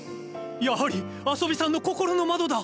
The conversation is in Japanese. やはりあそびさんの心の窓だ！